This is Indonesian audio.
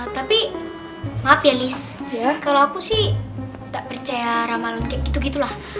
tapi maaf ya liz kalau aku sih tak percaya ramalan kayak gitu gitulah